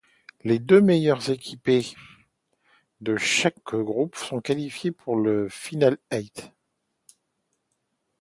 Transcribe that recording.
Les deux meilleures équipees de chaque groupe sont qualifiées pour le Final Eight.